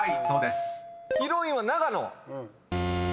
［そうです。